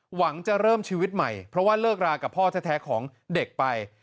หวังจะเริ่มชีวิตใหม่เพราะว่าเลิกรากับพ่อแท้ของเด็กไป